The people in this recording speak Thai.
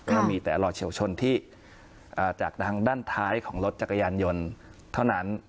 ก็มีแต่รอยเฉียวชนที่จากทางด้านท้ายของรถจักรยานยนต์เท่านั้น